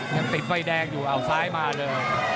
ยังติดไฟแดงอยู่เอาซ้ายมาเลย